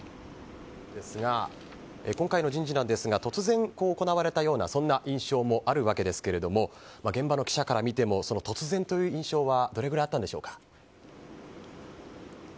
今回の人事ですが突然、行われたようなそんな印象もあるわけですが現場の記者から見ても突然という印象はどれぐらいあったんでしょうか。